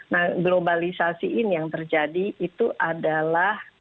nah globalisasi ini yang terjadi itu adalah